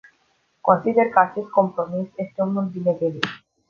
Consider că acest compromis este unul binevenit.